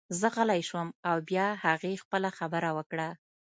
زه غلی شوم او بیا هغې خپله خبره وکړه